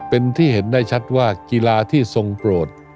เป็นที่เห็นได้ชัดว่ากีฬาที่ทรงโปรด